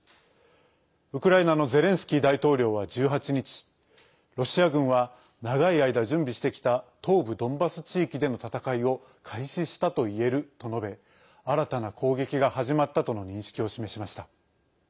ウクライナのゼレンスキー大統領は１８日ロシア軍は長い間準備してきた東部ドンバス地域での戦いを開始したといえると述べ新たな攻撃が始まったとの認識を示しました。